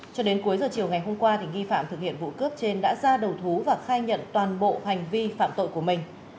cho đến cuối giờ chiều ngày hôm qua nghi phạm thực hiện vụ cướp trên đã ra đầu thú và khai nhận toàn bộ hành vi phạm tội của mình